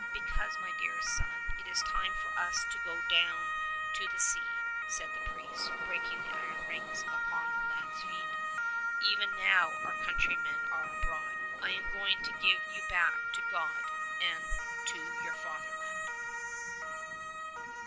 "Because, my dearest son, it is time for us to go down to the sea," said the priest, breaking the iron rings upon the lad's feet. "Even now our countrymen are abroad. I am going to give you back to God and to your Fatherland.".